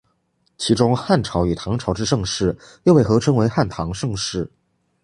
其中汉朝与唐朝之盛世又被合称为汉唐盛世。